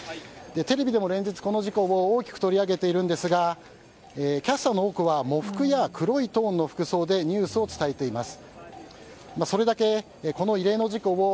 テレビでも連日、この事故を大きく取り上げているんですがキャスターの多くは喪服や黒いトーンの服装でニュースを伝えています。